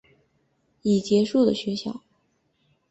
已结束的学校